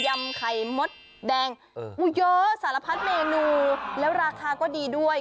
ำไข่มดแดงเยอะสารพัดเมนูแล้วราคาก็ดีด้วย